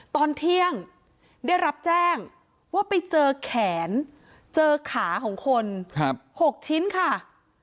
ตอนเที่ยงได้รับแจ้งว่าไปเจอแขนเจอขาของคน๖ชิ้นค่ะ